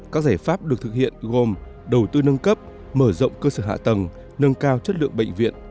các giải pháp được thực hiện gồm đầu tư nâng cấp mở rộng cơ sở hạ tầng nâng cao chất lượng bệnh viện